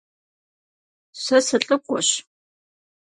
Сэ сылӀыкӀуэщ.